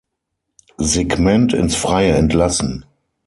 Segment ins Freie entlassen.